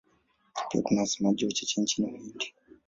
Pia kuna wasemaji wachache nchini Uhindi.